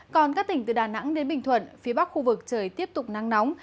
còn các tỉnh từ đà nẵng đến bình thuận phía bắc khu vực trời tiếp tục nắng nóng